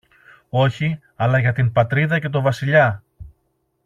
Όχι, αλλά για την Πατρίδα και για το Βασιλιά!